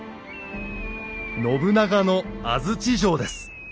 信長の安土城です。